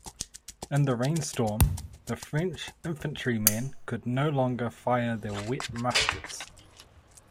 In the rainstorm, the French infantrymen could no longer fire their wet muskets.